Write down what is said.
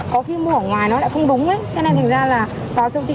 có khi mua ở ngoài nó lại không đúng ấy cho nên thành ra là vào siêu thị